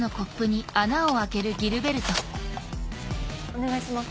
お願いします。